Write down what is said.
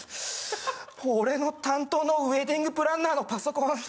俺の担当のウエディングプランナーのパソコン